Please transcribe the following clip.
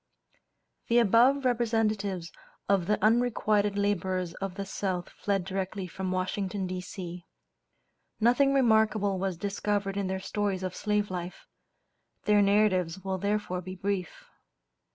The above representatives of the unrequited laborers of the South fled directly from Washington, D.C. Nothing remarkable was discovered in their stories of slave life; their narratives will therefore be brief.